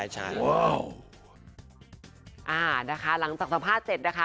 ใช่